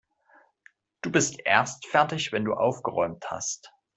Du bist erst fertig, wenn du aufgeräumt hast.